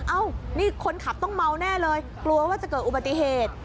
เอ้านี่คนขับต้องเมาแน่เลยกลัวว่าจะเกิดอุบัติเหตุ